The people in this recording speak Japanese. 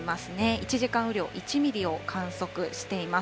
１時間雨量１ミリを観測しています。